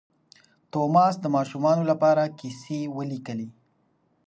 توماس د ماشومانو لپاره کیسې ولیکلې.